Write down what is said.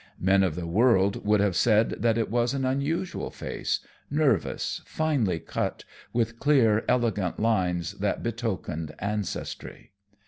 Men of the world would have said that it was an unusual face, nervous, finely cut, with clear, elegant lines that betokened ancestry.